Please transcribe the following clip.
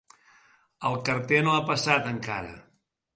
El carter no ha passat encara.